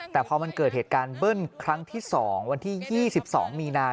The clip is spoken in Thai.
แต่พอมันเกิดเหตุการณ์เบิ้ลครั้งที่๒วันที่๒๒มีนา